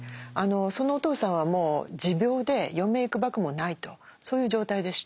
そのお父さんはもう持病で余命いくばくもないとそういう状態でした。